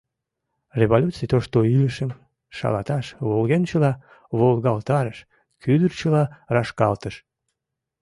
Революций тошто илышым шалаташ, волгенчыла волгалтарыш, кӱдырчыла рашкалтыш!..